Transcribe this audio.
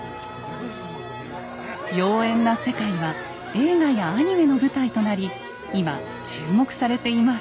妖艶な世界は映画やアニメの舞台となり今注目されています。